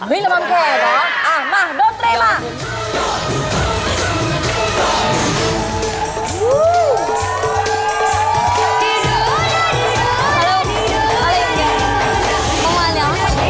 เห้ยระบำแขกเหรออะมาเริ่มตรงนี้มา